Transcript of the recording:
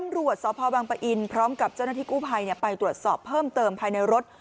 ตำรวจสพบังปะอินพร้อมกับเจ้าหน้าที่กู้ภัยไปตรวจสอบเพิ่มเติมภายในรถ